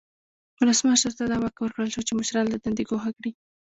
ولسمشر ته دا واک ورکړل شو چې مشران له دندې ګوښه کړي.